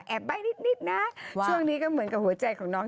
ใบ้นิดนะช่วงนี้ก็เหมือนกับหัวใจของน้อง